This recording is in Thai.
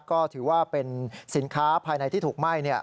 ก็ถือว่าเป็นสินค้าภายในที่ถูกไหม้